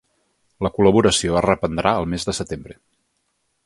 La col·laboració es reprendrà el mes de setembre.